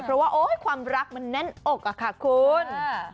เพราะว่าโอ๊ยความรักมันแน่นอกอะค่ะคุณ